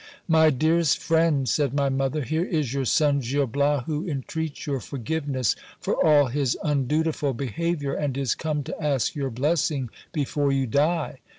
My dearest friend, said my mother, here is your son Gil Bias, who entreats your forgiveness for all his undutiful behaviour, and is come to i;k your blessing before you die.